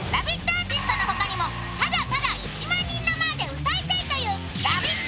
アーティストの他にも、ただただ、１万人の前で歌いたいというラヴィット！